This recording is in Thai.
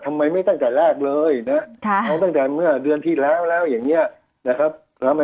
ทำไมไม่ตั้งแต่แรกเลยนะเอาตั้งแต่เมื่อเดือนที่แล้วแล้วอย่างนี้นะครับ